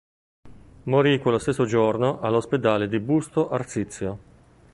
Morì quello stesso giorno all'Ospedale di Busto Arsizio.